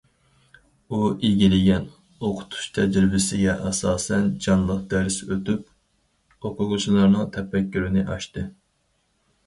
ئۇ ئىگىلىگەن ئوقۇتۇش تەجرىبىسىگە ئاساسەن جانلىق دەرس ئۆتۈپ، ئوقۇغۇچىلارنىڭ تەپەككۇرىنى ئاچتى.